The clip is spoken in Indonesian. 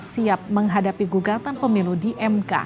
siap menghadapi gugatan pemilu di mk